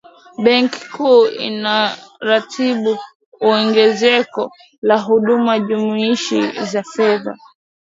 benki kuu inaratibu ongezeko la huduma jumuishi za fedha